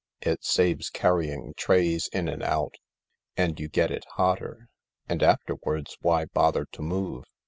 It saves carrying trays in and out, and you get it hotter — and afterwards, why bother to move